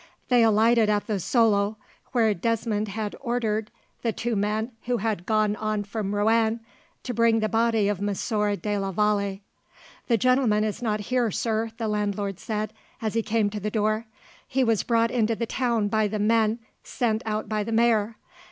They alighted at the Soleil, where Desmond had ordered the two men, who had gone on from Roanne, to bring the body of Monsieur de la Vallee. "The gentleman is not here, sir," the landlord said, as he came to the door. "He was brought into the town by the men sent out by the mayor.